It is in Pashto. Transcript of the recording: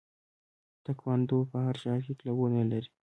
تکواندو په هر ښار کې کلبونه لري.